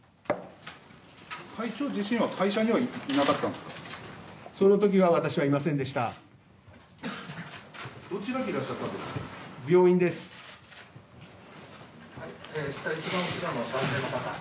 会長自身は会場にはいなかったんですか？